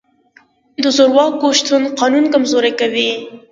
د زورواکو شتون قانون کمزوری کوي.